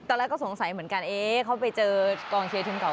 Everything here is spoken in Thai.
ตอนแรกก็สงสัยเหมือนกันเขาไปเจอกองเชียร์ทีมเก่า